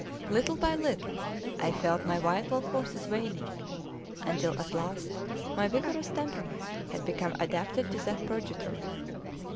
Little by little I felt my vital forces waning, until at last my vigorous temperament had become adapted to that purgatory.